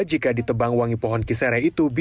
jika ditebang wangi pohon kisere itu